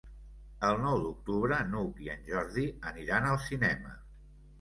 El nou d'octubre n'Hug i en Jordi aniran al cinema.